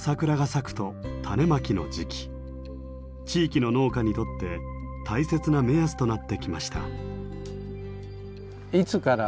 地域の農家にとって大切な目安となってきました。